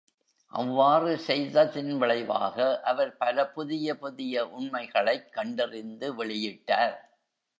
அவ்வாறு செய்ததின் விளைவாக, அவர் பல புதிய புதிய உண்மைகளைக் கண்டறிந்து வெளியிட்டார்.